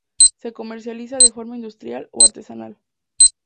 Se comercializa de forma industrial o artesanal.